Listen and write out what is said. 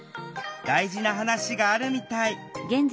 大事な話があるみたい。